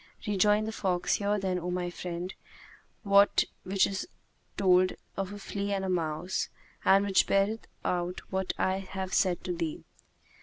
Rejoined the fox, "Hear then, O my friend, that which is told of a flea and a mouse and which beareth out what I have said to thee."